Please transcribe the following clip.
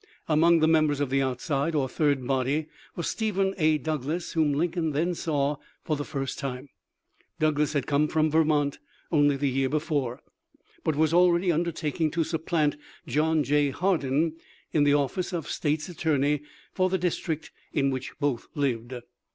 Among the members of the outside or " third body " was Stephen A. Douglas, whom Lincoln then saw for the first time. Douglas had come from Vermont only the year before, but was already undertaking to supplant John J. Hardin in the office of States Attorney for the district in which both lived.